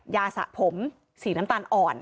สะผมสีน้ำตาลอ่อน